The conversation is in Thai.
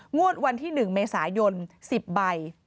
งวดวันที่๑เมษายน๑๐ใบ